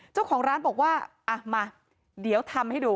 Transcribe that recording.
เจ้าของร้านบอกว่าอ่ะมาเดี๋ยวทำให้ดู